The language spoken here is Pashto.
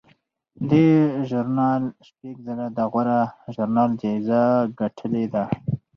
دې ژورنال شپږ ځله د غوره ژورنال جایزه ګټلې ده.